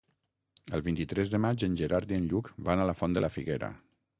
El vint-i-tres de maig en Gerard i en Lluc van a la Font de la Figuera.